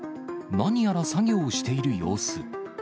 何やら作業をしている様子。